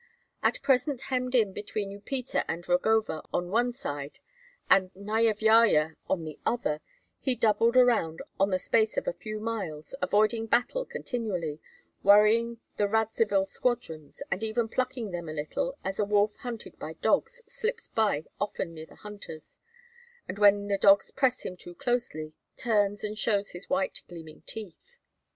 At present hemmed in between Upita and Rogova on one side and Nyevyaja on the other, he doubled around on the space of a few miles, avoiding battle continually, worrying the Radzivill squadrons, and even plucking them a little as a wolf hunted by dogs slips by often near the hunters, and when the dogs press him too closely, turns and shows his white gleaming teeth.